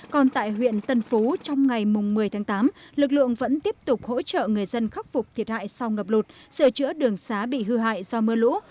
còn tại huyện tân phú trong ngày một mươi tháng tám lực lượng vẫn tiếp tục hỗ trợ người dân khắc phục thiệt hại sau ngập lụt sửa chữa đường xá bị hư hại do mưa lũ